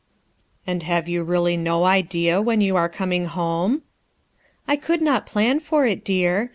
"And you have really no idea when you are corning home?" "I could not plan for it, dear.